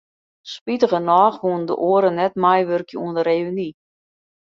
Spitigernôch woene de oaren net meiwurkje oan de reüny.